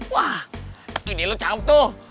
wah ide lo cakep tuh